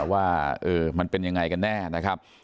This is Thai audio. ว่ามันเป็นยังไงกันแน่นะครับ